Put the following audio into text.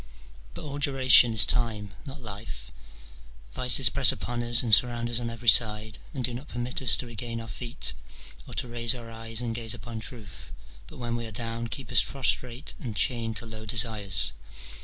But all duration is time, not life : vices press upon us and surround us on every side, and do not permit us to regain our feet, or to raise our eyes and gaze upon truth, but when we are down keep us prostrate and chained to low desires.